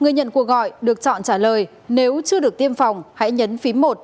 người nhận cuộc gọi được chọn trả lời nếu chưa được tiêm phòng hãy nhấn phí một